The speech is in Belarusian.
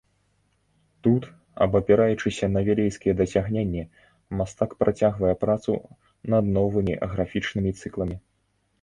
Тут, абапіраючыся на вілейскія дасягненні, мастак працягвае працу над новымі графічнымі цыкламі.